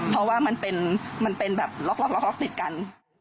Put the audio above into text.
เพราะว่ามันเป็นแบบล็อกติดกัน